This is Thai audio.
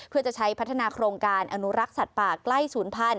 เพื่อจะใช้พัฒนาโครงการอนุรักษ์สัตว์ป่าใกล้ศูนย์พันธ